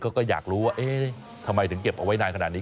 ก็อยากรู้ว่าเอ๊ะทำไมถึงเก็บเอาไว้นานขนาดนี้